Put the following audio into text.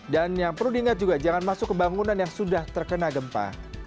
dan yang perlu diingat juga jangan masuk ke bangunan yang sudah terkena gempa